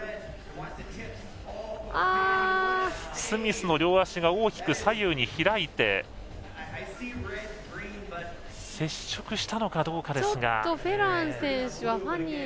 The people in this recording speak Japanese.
スミスの両足が大きく左右に開いて接触したのかどうかですが。